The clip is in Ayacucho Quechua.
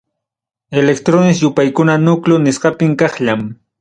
Electrones yupaykuna núcleo nisqapim, kaqllam.